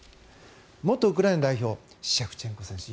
元ウクライナ代表シェフチェンコ選手